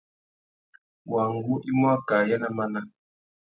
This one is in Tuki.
Wăngú i mú akā ayê ná máná.